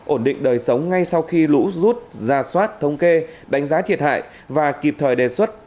ổn định đời sống ngay sau khi lũ rút ra soát thống kê đánh giá thiệt hại và kịp thời đề xuất